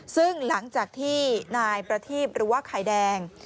ซึ่งหลังจากที่นายประทีบหรือว่าไข่แดง